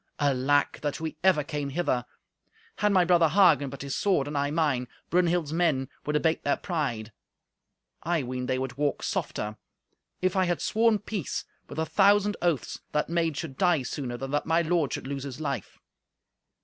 Alack! that we ever came hither! Had my brother Hagen but his sword, and I mine, Brunhild's men would abate their pride; I ween they would walk softer. If I had sworn peace with a thousand oaths, that maid should die sooner than that my lord should lose his life."